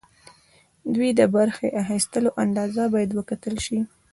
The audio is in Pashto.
دوی د برخې اخیستلو اندازه باید وکتل شي.